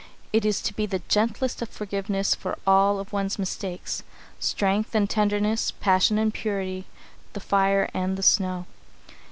It is to be the gentlest of forgiveness for all of one's mistakes strength and tenderness, passion and purity, the fire and the snow.